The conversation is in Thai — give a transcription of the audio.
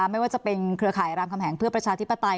ไม่ว่าจะเป็นเครือข่ายรามคำแหงเพื่อประชาธิปไตย